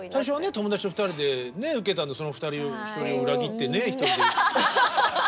友達と２人でね受けたんだけどその一人を裏切ってね一人で。